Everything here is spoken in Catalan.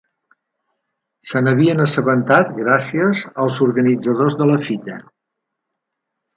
Se n'havien assabentat gràcies als organitzadors de la fita.